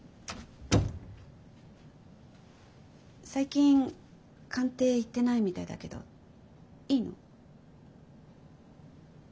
最近官邸行ってないみたいだけどいいの？